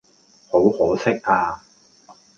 好可惜呀